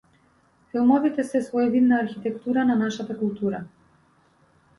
Филмовите се своевидна архитектура на нашата култура.